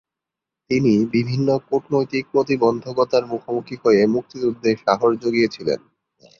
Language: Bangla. তিনি বিভিন্ন কূটনৈতিক প্রতিবন্ধকতার মুখোমুখি হয়ে মুক্তিযুদ্ধে সাহস যোগিয়েছিলেন।